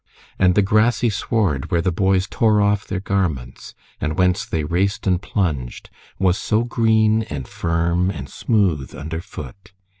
And the grassy sward where the boys tore off their garments, and whence they raced and plunged, was so green and firm and smooth under foot!